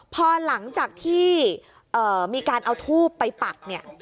พอหลังจากที่มีการเอาทูบไปปักเนี่ย